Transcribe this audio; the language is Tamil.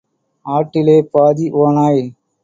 ஆட்டிலே பாதி ஓநாய்.